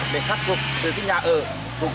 để khắc phục